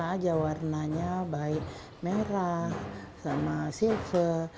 apa aja warnanya baik merah sama silver